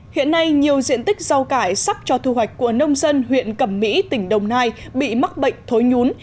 hiện nay nhiều diện tích rau cải sắp cho thu hoạch của nông dân huyện cẩm mỹ tỉnh đồng nai bị mắc bệnh thối nhún